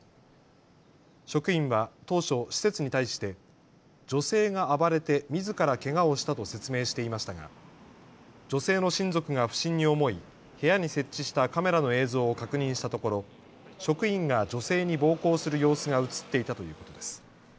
職員は当初、施設に対して女性が暴れてみずからけがをしたと説明していましたが女性の親族が不審に思い部屋に設置したカメラの映像を確認したところ、職員が女性に暴行する様子が写っていたということです。